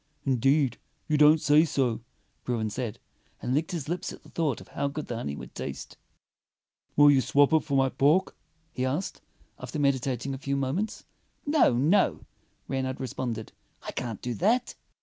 "Indeed, you don't say so," Bruin said, and licked his lips at thought of how good the honey would taste. "Will you swap it 62 Fairy Tale Bears for my pork?" he asked, after meditating a few moments. "No, no," Reynard responded. "I can't do that."